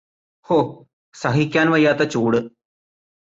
ഹോ! സഹിക്കാൻ വയ്യാത്ത ചൂട്